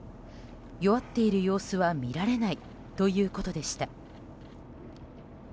弱っている様子は見られないということでした。